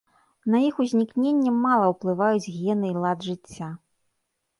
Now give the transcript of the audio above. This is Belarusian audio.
На іх узнікненне мала ўплываюць гены і лад жыцця.